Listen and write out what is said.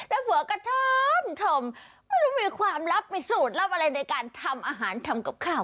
แล้วหัวกระท่อมไม่รู้มีความลับมีสูตรลับอะไรในการทำอาหารทำกับข้าว